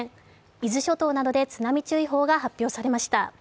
伊豆諸島などで津波注意報が発表されました。